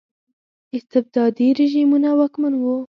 استبدادي رژیمونه واکمن وو.